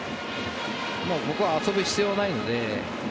ここは遊ぶ必要はないので。